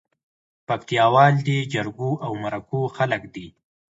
پکتياوال دي جرګو او مرکو خلک دي